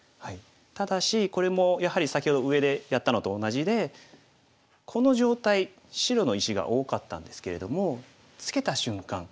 ただしこれもやはり先ほど上でやったのと同じでこの状態白の石が多かったんですけれどもツケた瞬間